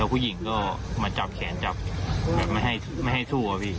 ผู้หญิงก็มาจับแขนจับแบบไม่ให้สู้อะพี่